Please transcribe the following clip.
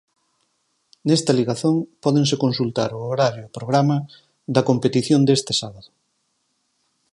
Nesta ligazón pódense consultar o horario e programa da competición deste sábado.